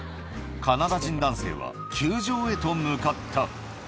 カナダ人男性は球場へと向かった。